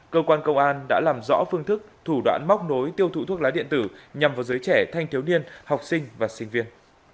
cơ quan công an đã làm rõ phương thức thủ đoạn móc nối tiêu thụ thuốc lá điện tử nhằm vào giới trẻ thanh thiếu niên học sinh và sinh viên